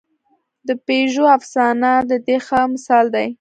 د پېژو افسانه د دې ښه مثال دی.